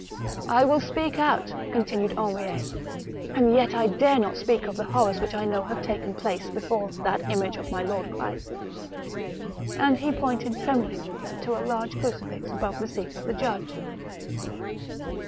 "I will speak out," continued Henriet; '*and yet I dare not speak of the horrors which I know have taken place, before that image of my Lord Christ ;" and he THE MARiCHAL DE RETZ. 217 pointed tremblingly to a large crucifix above the seat of the judge.